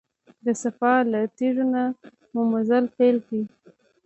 د صفا له تیږو نه مو مزل پیل کړ.